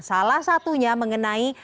salah satunya mengenai